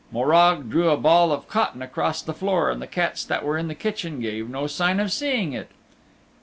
Morag drew a ball of cotton across the floor, and the cats that were in the kitchen gave no sign of seeing it.